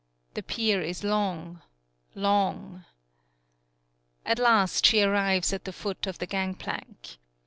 The pier is long long At last she arrives at the foot of the gangplank.